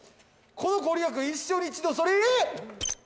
「このご利益は一生に一度それゆえ」